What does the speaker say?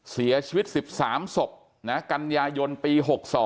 เสียชีวิต๑๓ศพกันยายนปี๖๒